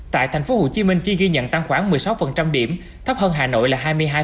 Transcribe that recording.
tại tp hcm chi ghi nhận tăng khoảng một mươi sáu điểm thấp hơn hà nội là hai mươi hai